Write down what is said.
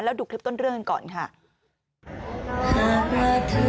แล้วดูคลิปต้นเรื่องกันก่อนค่ะ